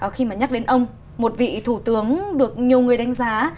khi mà nhắc đến ông một vị thủ tướng được nhiều người đánh giá